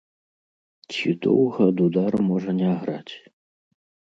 Ці доўга дудар можа не граць?